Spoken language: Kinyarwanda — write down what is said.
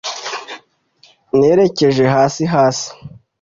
Nerekeje hasi hasi